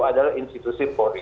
adalah institusi polri